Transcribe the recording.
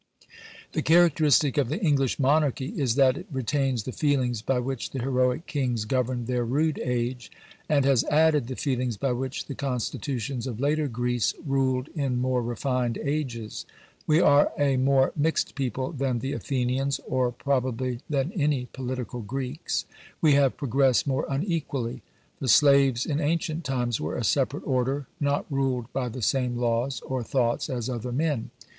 The characteristic of the English Monarchy is that it retains the feelings by which the heroic kings governed their rude age, and has added the feelings by which the Constitutions of later Greece ruled in more refined ages. We are a more mixed people than the Athenians, or probably than any political Greeks. We have progressed more unequally. The slaves in ancient times were a separate order; not ruled by the same laws, or thoughts, as other men.